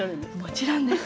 もちろんです。